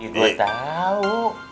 iya gue tau